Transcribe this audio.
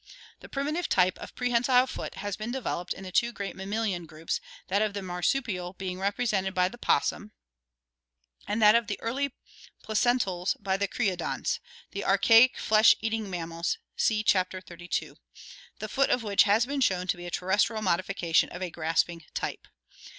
The primitive type of prehensile foot has been developed in the two great mammalian groups, that of the marsupial being repre sented by the opossum (Marmosay Fig. 46, A), and that of the early placentals by the creodonts, the archaic flesh eating mammals (see Chapter XXXII), the foot of which has been shown to be a terres trial modification of a grasping type.